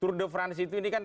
tour de france itu ini kan